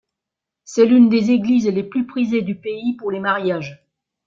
C'est l'une des églises les plus prisées du pays pour les mariages.